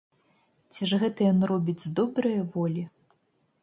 Ці ж гэта ён робіць з добрае волі?